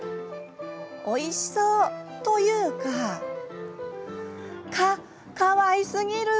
おいしそうというか「かわいすぎる」